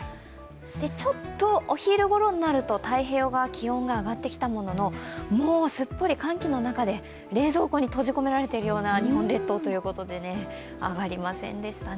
ちょっとお昼ごろになると太平洋側は気温が上がってきたものの、もうすっぽり寒気の中で冷蔵庫の中に閉じ込められているような日本列島ということで上がりませんでしたね。